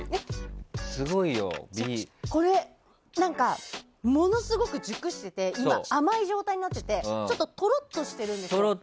これ何か、ものすごく熟してて今、甘い状態になっててちょっとトロッとしてるんですよ。